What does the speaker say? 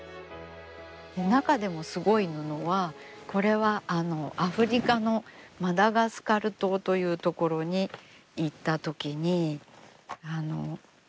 中でもすごい布はこれはアフリカのマダガスカル島という所に行ったときに。